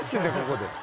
⁉ここで。